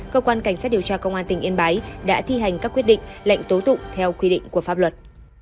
cơ quan cảnh sát điều tra công an tỉnh yên bái đã thi hành các quyết định lệnh tố tụng theo quy định của pháp luật